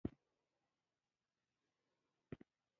غیرت د بل توهین او تحقیر نه دی.